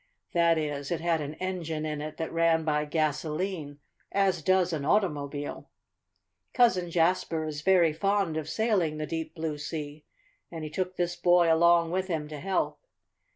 That is it had an engine in it that ran by gasolene as does an automobile. Cousin Jasper is very fond of sailing the deep, blue sea, and he took this boy along with him to help.